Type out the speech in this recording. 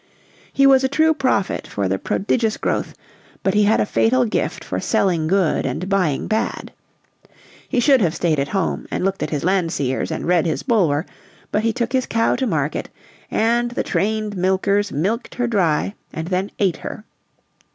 He was a true prophet of the prodigious growth, but he had a fatal gift for selling good and buying bad. He should have stayed at home and looked at his Landseers and read his Bulwer, but he took his cow to market, and the trained milkers milked her dry and then ate her.